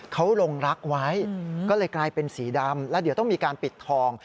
เขาลงรักไว้ก็เลยกลายเป็นสีดำแล้วเดี๋ยวต้องมีการปิดทอง